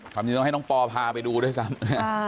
ความจริงต้องให้น้องปอพาไปดูด้วยซ้ำ